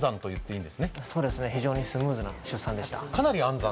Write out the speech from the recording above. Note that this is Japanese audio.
そうですね、非常にスムーズな出産でした。